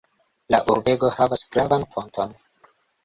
La urbego havas gravan ponton.